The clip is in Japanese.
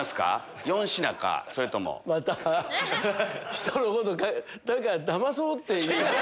人のことだまそうっていう。